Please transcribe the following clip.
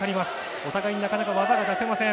お互いになかなか技が出せません。